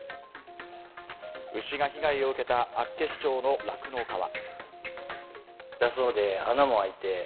牛が被害を受けた厚岸町の酪農家は。